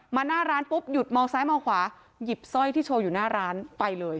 หน้าร้านปุ๊บหยุดมองซ้ายมองขวาหยิบสร้อยที่โชว์อยู่หน้าร้านไปเลย